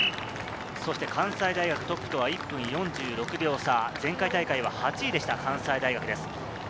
関西大学トップとは４６秒差、前回大会は８位でした、関西大学です。